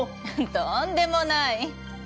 とんでもない。